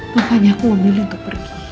makanya aku memilih untuk pergi